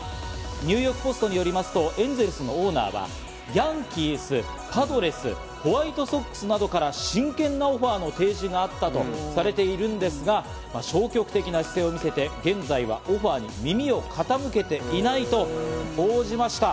ニューヨークポストによりますとエンゼルスのオーナーはヤンキース、パドレス、ホワイトソックスなどから真剣なオファーの提示があったとされているんですが、消極的な姿勢を見せて現在はオファーに耳を傾けていないと報じました。